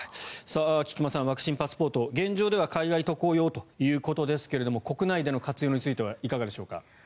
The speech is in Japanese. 菊間さんワクチンパスポート現状では海外渡航用ということですが国内での活用についてはいかがでしょうか。